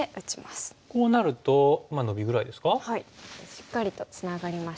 しっかりとツナがりましたね。